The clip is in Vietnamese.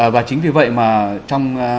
và chính vì vậy mà trong